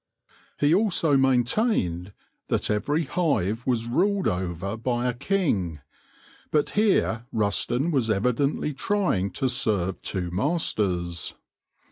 He also maintained that every hive was ruled over by a king, but here Rusden was evidently trying to serve two masters.